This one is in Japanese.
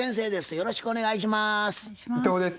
よろしくお願いします。